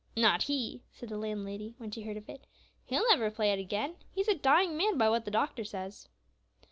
"Not he," said the landlady, when she heard of it; "he'll never play it again, he's a dying man, by what the doctor says."